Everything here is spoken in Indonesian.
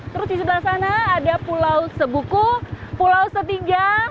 terus di sebelah sana ada pulau sebuku pulau setiga